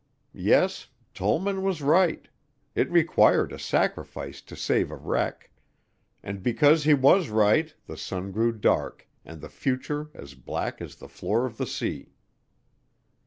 Yes, Tollman was right it required a sacrifice to save a wreck and because he was right the sun grew dark and the future as black as the floor of the sea.